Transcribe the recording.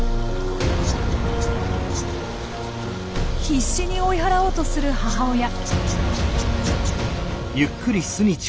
必死に追い払おうとする母親。